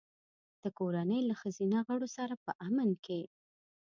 د کورنۍ له ښځینه غړو سره په امن کې.